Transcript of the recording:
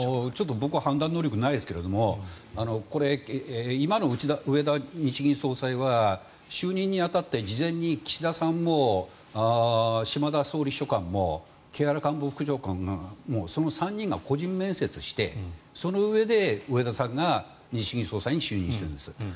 僕は判断能力がないですがこれ、今の植田日銀総裁は就任に当たって事前に岸田さんもシマダ総理秘書官も木原官房副長官もその３人が個人面接してそのうえで植田さんが日銀総裁に就任しているんです。